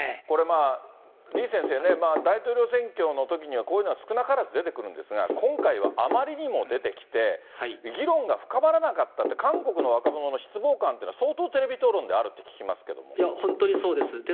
これ、李先生ね、大統領選挙のときには、こういうのが少なからず出てくるんですが、今回はあまりにも出てきて、議論が深まらなかったって、韓国の若者の失望感というのは相当テレビ討論であるって聞きますいや、本当にそうです。